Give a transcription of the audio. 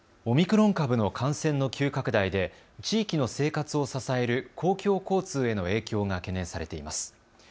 オミクロン株の感染の急拡大で地域の生活を支える公共交通への影響が懸念されています。